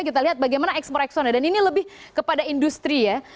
kita lihat bagaimana ekspor ekspornya dan ini lebih kepada industri ya